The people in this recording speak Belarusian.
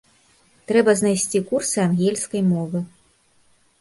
Трэба знайсці курсы ангельскай мовы.